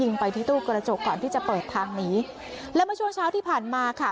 ไปที่ตู้กระจกก่อนที่จะเปิดทางหนีและเมื่อช่วงเช้าที่ผ่านมาค่ะ